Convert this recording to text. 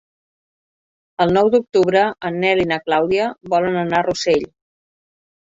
El nou d'octubre en Nel i na Clàudia volen anar a Rossell.